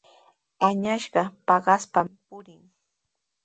Añasqa paqaspami purin.